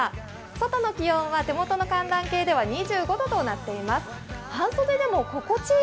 外の気温は手元の寒暖計では２５度となっています。